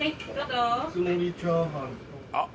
あっ！